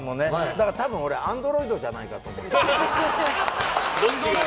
だから多分、俺はアンドロイドじゃないかと思ってる。